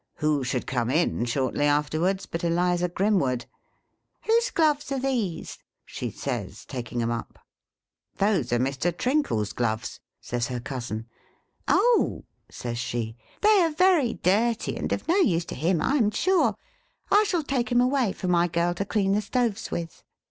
Who should come in, shortly afterwards, but Eliza Grimwood !' Whose gloves are these 1 ' she says, taking 'em up. ' Those are Mr. Trinkle's gloves,' says her cousin. ' Oh !' says she, ' they are very dirty, and of no use to him, I am sure. I shall take 'em away for my girl to clean the stoves with.'